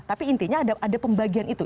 tapi intinya ada pembagian itu